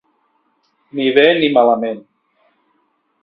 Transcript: Ni bé, ni malament.